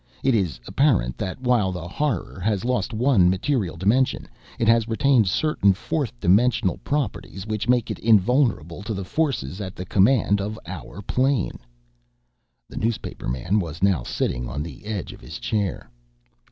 It is apparent that while the Horror has lost one material dimension, it has retained certain fourth dimensional properties which make it invulnerable to the forces at the command of our plane." The newspaperman was now sitting on the edge of his chair.